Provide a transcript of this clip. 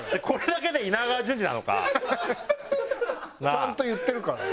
ちゃんと言ってるから。